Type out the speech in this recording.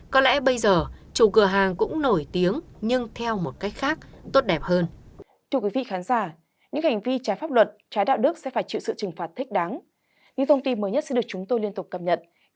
có lẽ bây giờ chủ cửa hàng cũng nổi tiếng nhưng theo một cách khác tốt đẹp hơn